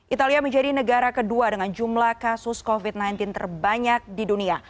italia menjadi negara kedua dengan jumlah kasus covid sembilan belas terbanyak di dunia